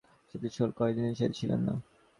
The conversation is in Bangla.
সতীশ কহিল, কদিনই যে ছিলেন না।